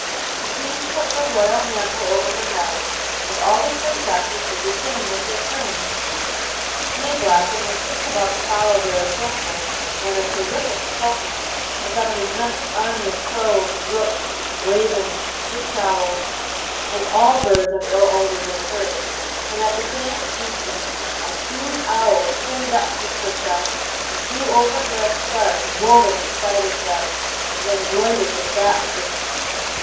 The Queen put her royal mantle over her head, and all the princesses did the same with their trains. Mayblossom was just about to follow their example when a terrific croaking, as of an immense army of crows, rooks, ravens, screech owls, and all birds of ill omen was heard, and at the same instant a huge owl skimmed up to the Princess, and threw over her a scarf woven of spiders' webs and embroidered with bats' wings.